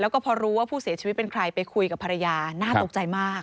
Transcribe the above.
แล้วก็พอรู้ว่าผู้เสียชีวิตเป็นใครไปคุยกับภรรยาน่าตกใจมาก